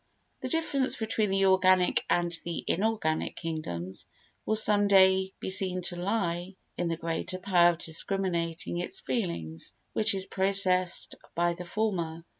The difference between the organic and the inorganic kingdoms will some day be seen to lie in the greater power of discriminating its feelings which is possessed by the former.